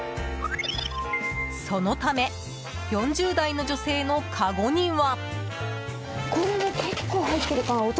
そのため４０代の女性のかごには。